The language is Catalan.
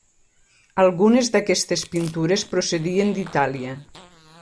Algunes d'aquestes pintures procedien d'Itàlia.